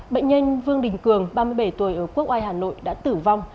bệnh nhân vương đình cường ba mươi bảy tuổi ở quốc oai hà nội đã tử vong